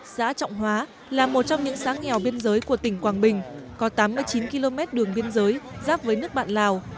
xã trọng hóa là một trong những xã nghèo biên giới của tỉnh quảng bình có tám mươi chín km đường biên giới giáp với nước bạn lào